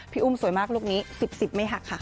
พี่อุ้มสวยมากลูกนี้๑๐๑๐ไม่หักค่ะ